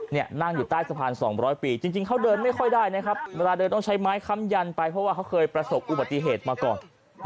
นี่นั่งอยู่ใต้สะพาน๒๐๐ปีจริงเขาเดินไม่ค่อยได้นะครับเวลาเดินต้องใช้ไม้ค้ำยันไปเพราะว่าเขาเคยประสบอุบัติเหตุมาก่อน